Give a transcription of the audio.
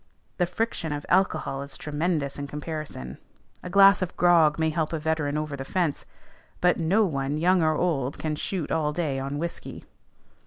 The friction of alcohol is tremendous in comparison. A glass of grog may help a veteran over the fence; but no one, young or old, can shoot all day on whiskey.